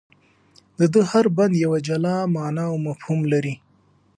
د ده هر بند یوه جلا مانا او مفهوم لري.